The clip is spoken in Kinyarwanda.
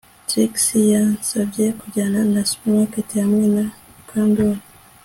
Trix yansabye kujyana na supermarket hamwe na Mukandoli